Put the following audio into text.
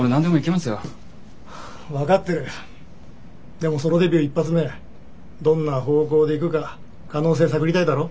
でもソロデビュー１発目どんな方向でいくか可能性探りたいだろ。